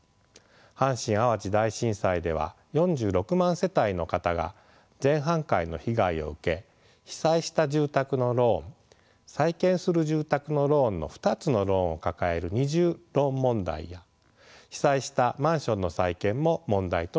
阪神・淡路大震災では４６万世帯の方が全半壊の被害を受け被災した住宅のローン再建する住宅のローンの２つのローンを抱える二重ローン問題や被災したマンションの再建も問題となりました。